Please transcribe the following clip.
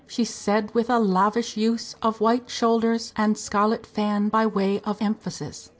she said, with a lavish use of white shoulders and scarlet fan by way of emphasis.